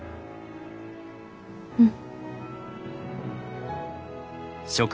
うん。